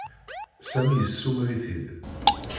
Sami yessumer-it-id.